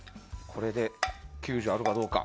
これで９０あるかどうか。